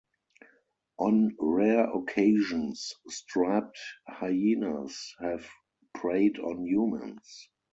On rare occasions, striped hyenas have preyed on humans.